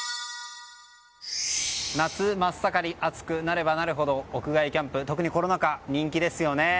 夏真っ盛り暑くなればなるほど屋外キャンプ、特にコロナ禍人気ですよね。